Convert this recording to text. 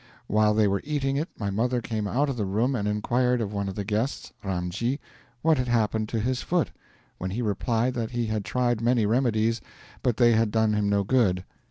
While they were eating it my mother came out of the room and inquired of one of the guests, Ramji, what had happened to his foot, when he replied that he had tried many remedies, but they had done him no good.